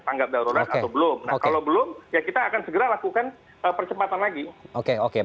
tanggap darurat atau belum nah kalau belum ya kita akan segera lakukan percepatan lagi oke oke